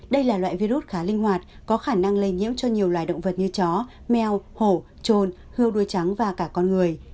đây là loại virus khá linh hoạt có khả năng lây nhiễm cho nhiều loài động vật như chó mèo hổ trồn hư đuôi trắng và cả con người